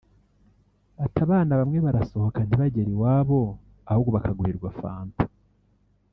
Ati “Abana bamwe barasohoka ntibagere iwabo ahubwo bakagurirwa Fanta